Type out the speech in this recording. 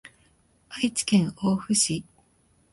愛知県大府市